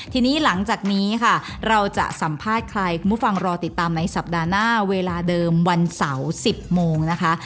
ทีนี้หลังจากนี้ค่ะเราจะสัมภาษณ์ใครคุณผู้ฟังรอติดตามในสัปดาห์หน้าเวลาเดิมวันเสาร์๑๐โมงนะคะ